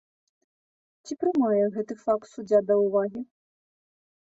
Ці прымае гэты факт суддзя да ўвагі?